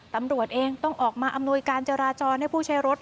ตำรวจเองต้องออกมาอำนวยการจราจรให้ผู้ใช้รถ